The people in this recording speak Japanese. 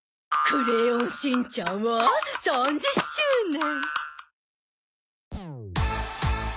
『クレヨンしんちゃん』は３０周年。